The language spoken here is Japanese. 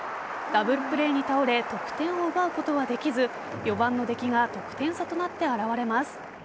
ダブルプレーに倒れ得点を奪うことはできず４番の出来が得点差となって現れます。